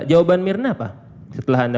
jawaban mirna apa setelah anda